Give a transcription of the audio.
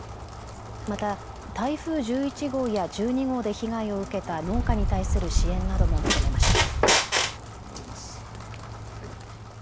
また台風１１号や１２号で被害を受けた農家に対する支援なども求めました。